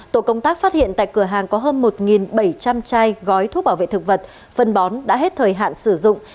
tổ công tác phát hiện tại cửa hàng có hơn một bảy trăm linh chai gói thuốc bảo vệ thực vật phân bón đã hết thời hạn sử dụng